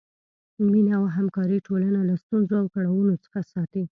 مینه او همکاري ټولنه له ستونزو او کړاوونو څخه ساتي.